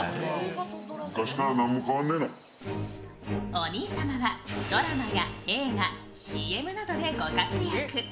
お兄様はドラマや映画、ＣＭなどでご活躍。